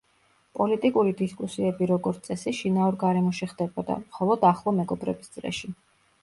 პოლიტიკური დისკუსიები როგორც წესი შინაურ გარემოში ხდებოდა, მხოლოდ ახლო მეგობრების წრეში.